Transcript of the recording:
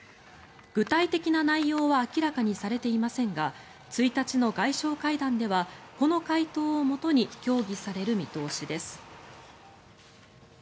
具体的な内容は明らかにされていませんが１日の外相会談ではこの回答をもとに協議される見通しです。